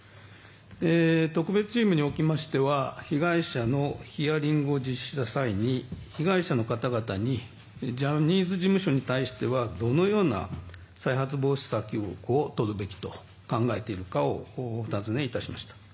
特別チームにおきましては被害者のヒアリングを実施した際に被害者の方々にジャニーズ事務所に対してはどのような再発防止策をとるべきと考えているかをお尋ねいたしました。